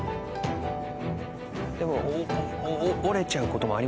でも折れちゃう事もありますもんね